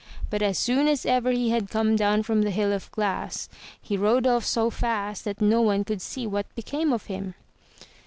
But as soon as ever he had come down from the hill of glass, he rode off so fast that no one could see what became of him.